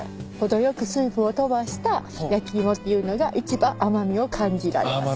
程よく水分を飛ばした焼き芋っていうのが一番甘味を感じられます。